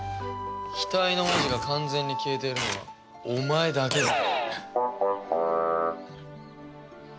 額の文字が完全に消えているのはお前だけだ。